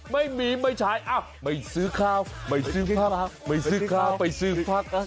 ไม่มีไม่ใช้ไม่ซื้อข้าวไม่ซื้อพักไม่ซื้อข้าวไปซื้อพัก